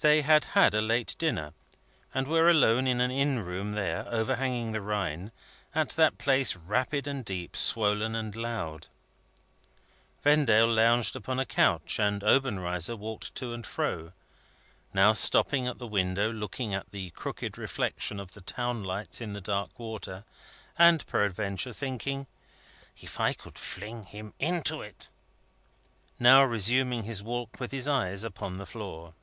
They had had a late dinner, and were alone in an inn room there, overhanging the Rhine: at that place rapid and deep, swollen and loud. Vendale lounged upon a couch, and Obenreizer walked to and fro: now, stopping at the window, looking at the crooked reflection of the town lights in the dark water (and peradventure thinking, "If I could fling him into it!"); now, resuming his walk with his eyes upon the floor.